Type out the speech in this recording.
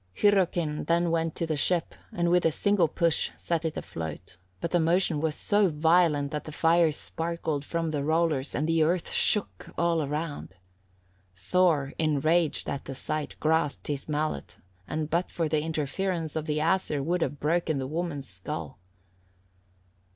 Hyrrokin then went to the ship, and with a single push set it afloat, but the motion was so violent that the fire sparkled from the rollers, and the earth shook all around. Thor, enraged at the sight, grasped his mallet, and but for the interference of the Æsir would have broken the woman's skull.